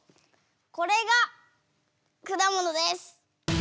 これがくだものです！